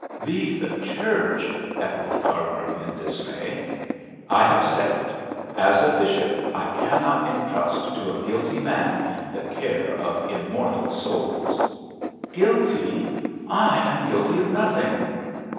'Leave the Church?' echoed Cargrim, in dismay. 'I have said it. As a bishop, I cannot entrust to a guilty man the care of immortal souls.' 'Guilty? I am guilty of nothing.'